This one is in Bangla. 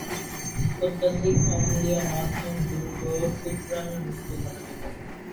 অত্যধিক অম্লীয় মাধ্যম দ্রুত শুক্রাণুর মৃত্যু ঘটাতে পারে।